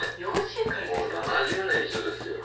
もう７０年一緒ですよ。